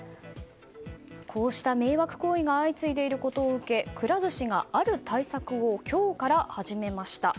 こうした迷惑行為が相次いでいることを受けくら寿司が、ある対策を今日から始めました。